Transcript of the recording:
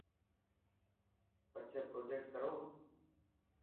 پڇي پروجيڪٽ ڪرو.